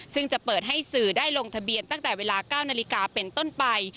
ซึ่งจะเปิดให้สื่อได้ลงทะเบียนตั้งแต่เวลา๙นาฬิกาเป็นต้นไป